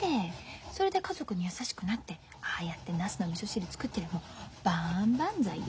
それで家族に優しくなってああやってナスのみそ汁作ってれば万々歳よ。